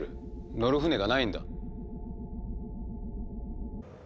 乗る船がないんだ。